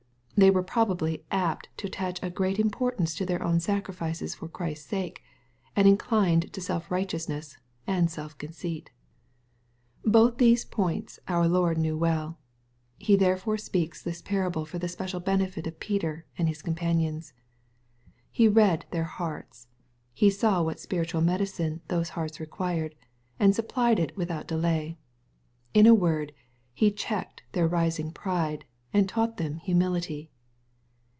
They were probably apt to attach a great importance to their own sacrifices for Christ's sake, and inclined to self righteousness and self conceit. — Both these points our Lord knew well. He therefore speaks this parable for the special benefit of Peter and his com panions. He read their hearts. He saw what spiritual medicine those hearts required, and supplied it without delay. In a word, He checked their rising pride, and taught them humility.